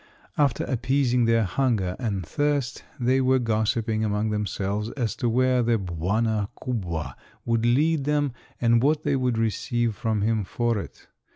After appeasing their hunger and thirst they were gossiping among themselves as to where the "Bwana kubwa" would lead them and what they would receive from him for it.